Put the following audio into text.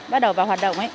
bắt đầu vào hoạt động